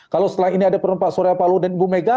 kalau setelah ini ada perempuan soreya palu dan ibu mega